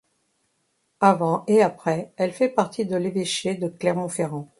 Avant et après, elle fait partie de l'évêché de Clermont-Ferrand.